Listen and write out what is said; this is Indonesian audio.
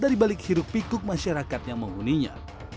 dari balik hirup pikuk masyarakat yang menghuninya